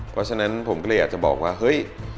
เพราะฉะนั้นผมก็เลยอยากจะบอกว่าเฮ้ย